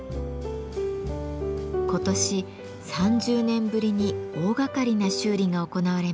今年３０年ぶりに大がかりな修理が行われました。